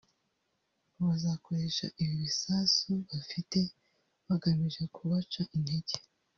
ngo bazakoresha ibi bisasu bafite bagamije kubaca intege